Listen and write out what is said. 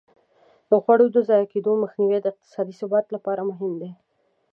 د خواړو د ضایع کېدو مخنیوی د اقتصادي ثبات لپاره مهم دی.